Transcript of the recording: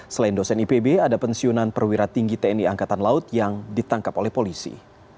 selain dosen ipb ada pensiunan perwira tinggi tni angkatan laut yang ditangkap oleh polisi